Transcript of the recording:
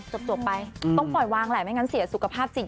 จบไปต้องปล่อยวางแหละไม่งั้นเสียสุขภาพจิต